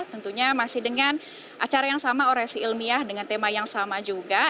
tentunya masih dengan acara yang sama orasi ilmiah dengan tema yang sama juga